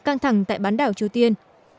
căng thẳng tại bán đảo triều tiên